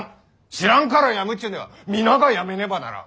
知らんから辞むっちゅうんでは皆が辞めねばならん。